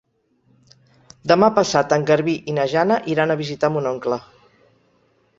Demà passat en Garbí i na Jana iran a visitar mon oncle.